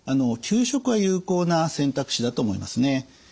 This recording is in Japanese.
休職は有効な選択肢だと思いますね。